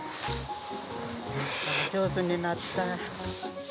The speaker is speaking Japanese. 上手になった。